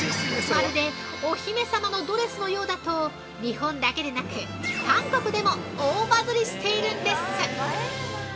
まるでお姫様のドレスのようだと、日本だけでなく、韓国でも大バズりしているんです。